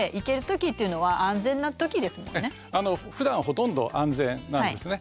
ふだんほとんど安全なんですね。